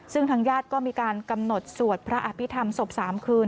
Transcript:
ซึ่งทางญาติก็มีการกำหนดสวดพระอภิษฐรรมศพ๓คืน